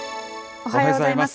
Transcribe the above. おはようございます。